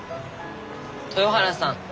豊原さん